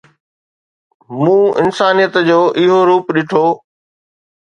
مون انسانيت جو اهو روپ ڏٺو